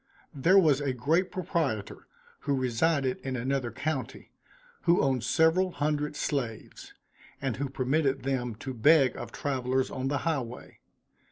There was a great proprietor, who resided in another county, who owned several hundred slaves; and who permitted them to beg of travelers on the high way.